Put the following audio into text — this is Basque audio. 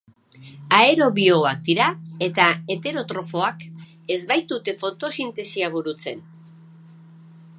Aerobioak dira eta heterotrofoak, ez baitute fotosintesia burutzen.